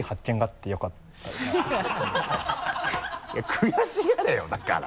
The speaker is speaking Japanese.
悔しがれよだから。